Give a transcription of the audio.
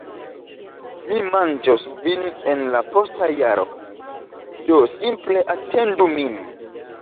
Mi manĝos vin en la posta jaro, do simple atendu min.